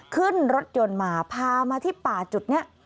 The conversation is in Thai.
ขึ้นรถยนต์มาพามาที่ป่าจุดนี้